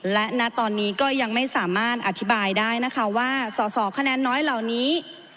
และณตอนนี้ก็ยังไม่สามารถอธิบายได้นะคะว่าสอสอคะแนนน้อยเหล่านี้